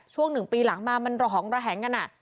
ช่วง๑ปีหลังมามันหลองระแหงกันอ่ะ